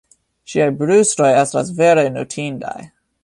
Ŝiaj brustoj estas vere notindaj.